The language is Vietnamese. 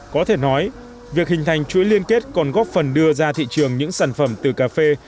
có thể nói việc hình thành chuỗi liên kết còn góp phần đưa ra thị trường những sản phẩm từ cà phê